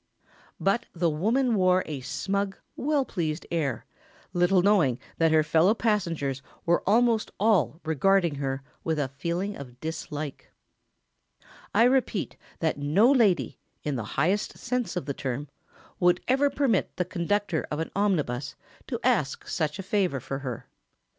But the woman wore a smug, well pleased air, little knowing that her fellow passengers were almost all regarding her with a feeling of dislike. [Sidenote: No lady would request this favour.] I repeat that no lady, in the highest sense of the term, would ever permit the conductor of an omnibus to ask such a favour for her.